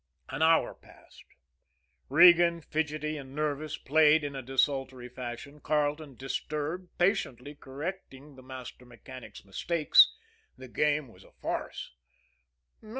An hour passed. Regan, fidgety and nervous, played in a desultory fashion; Carleton, disturbed, patiently correcting the master mechanic's mistakes. The game was a farce.